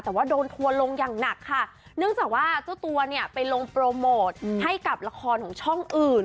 แต่ว่าโดนทัวร์ลงอย่างหนักค่ะเนื่องจากว่าเจ้าตัวเนี่ยไปลงโปรโมทให้กับละครของช่องอื่น